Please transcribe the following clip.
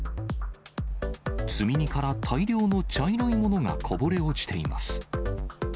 積み荷から大量の茶色いものがこぼれ落ちています。